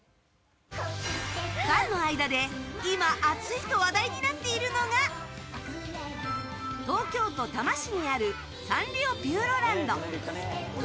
ファンの間で今、熱いと話題になっているのが東京都多摩市にあるサンリオピューロランド。